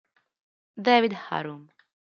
David Harum